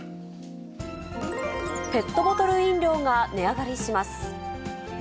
ペットボトル飲料が値上がりします。